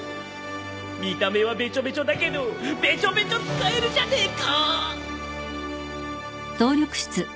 見た目はベチョベチョだけどベチョベチョ使えるじゃねえか！